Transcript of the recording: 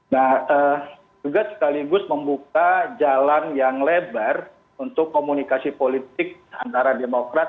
nah juga sekaligus membuka jalan yang lebar untuk komunikasi politik antara demokrat